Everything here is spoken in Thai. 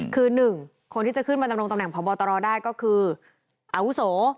คือ๑คนที่จะขึ้นมาดำรงตำแหพบตรได้ก็คืออาวุโส